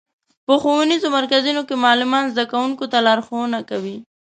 په ښوونیزو مرکزونو کې معلمان زدهکوونکو ته لارښوونه کوي.